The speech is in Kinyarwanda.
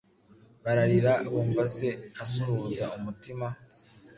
bararira, Bumva se asuhuza umutima?